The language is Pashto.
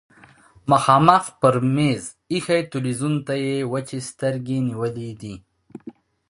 مخامخ پر مېز ايښي لوی تلويزيون ته يې وچې سترګې نيولې وې.